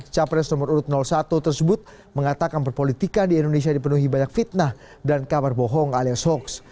capres nomor urut satu tersebut mengatakan perpolitikan di indonesia dipenuhi banyak fitnah dan kabar bohong alias hoax